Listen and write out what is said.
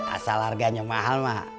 asal harganya mahal mak